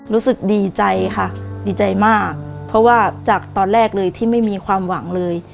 รู้สึกดีใจค่ะดีใจมากเพราะว่าจากตอนแรกเลยที่ไม่มีความหวังเลย